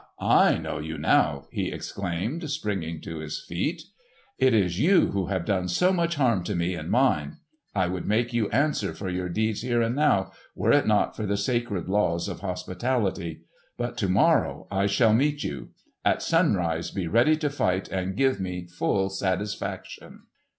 I know you now!" he exclaimed, springing to his feet. "It is you who have done so much harm to me and mine! I would make you answer for your deeds here and now, were it not for the sacred laws of hospitality. But to morrow I shall meet you! At sunrise be ready to fight and give me full satisfaction!"